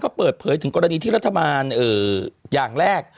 ก็เปิดเปยถึงกรณีที่อย่างแรก